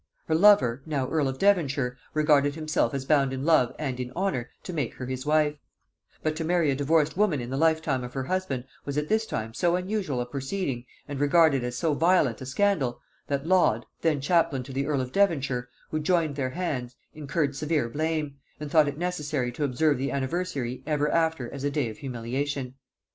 Her lover, now earl of Devonshire, regarded himself as bound in love and in honor to make her his wife; but to marry a divorced woman in the lifetime of her husband was at this time so unusual a proceeding and regarded as so violent a scandal, that Laud, then chaplain to the earl of Devonshire, who joined their hands, incurred severe blame, and thought it necessary to observe the anniversary ever after as a day of humiliation.